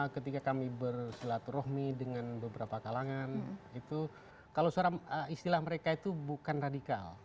ketika kami bersilaturahmi dengan beberapa kalangan itu kalau suara istilah mereka itu bukan radikal